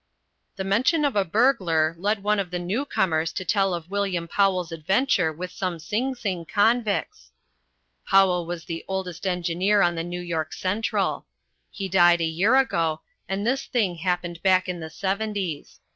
"] The mention of a burglar led one of the new comers to tell of William Powell's adventure with some Sing Sing convicts. Powell was the oldest engineer on the New York Central. He died a year ago, and this thing happened back in the seventies.